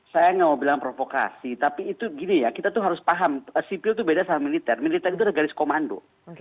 saya nggak mau bilang provokasi tapi itu gini ya kita tuh harus paham sipil itu beda sama militer militer itu ada garis komando